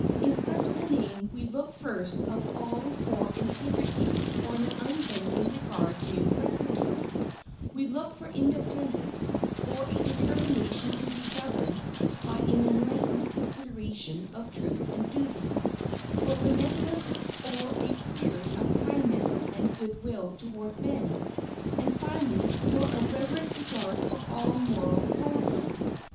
In such a name we look first of all for integrity, or an unbending regard to rectitude; we look for independence, or a determination to be governed by an enlightened consideration of truth and duty; for benevolence or a spirit of kindness and good will toward men; and, finally, for a reverent regard for all moral qualities.